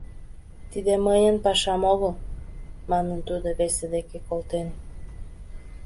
«Тиде мыйын пашам огыл», — манын тудыжо, весе дек колтен.